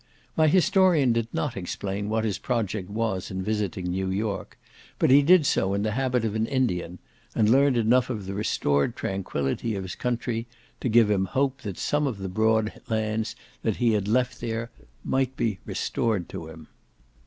My historian did not explain what his project was in visiting New York, but he did so in the habit of an Indian, and learnt enough of the restored tranquillity of his country to give him hope that some of the broad lands he had left there might be restored to him.